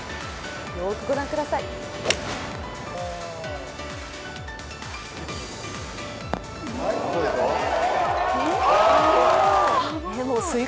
よくご覧ください。